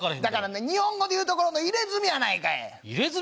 だからね日本語でいうところの入れ墨やないかい。